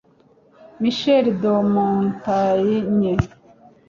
michel de montaigne